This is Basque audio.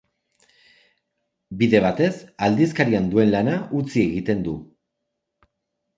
Bide batez, aldizkarian duen lana utzi egiten du.